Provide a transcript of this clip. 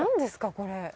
これ。